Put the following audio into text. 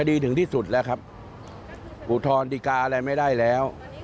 ดีถึงที่สุดแล้วครับอุทธรณ์ดีกาอะไรไม่ได้แล้ว